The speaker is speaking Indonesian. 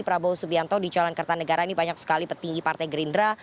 prabowo subianto di jalan kertanegara ini banyak sekali petinggi partai gerindra